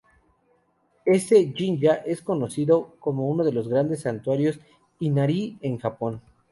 Este jinja es conocido como uno de los grandes santuarios Inari en Japón.